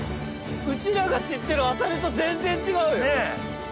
うちらが知ってるあさりと全然違うよ！ねぇ！